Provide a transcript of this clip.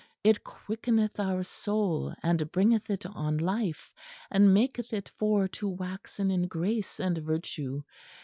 It quickeneth our soul and bringeth it on life, and maketh it for to waxen in grace and virtue.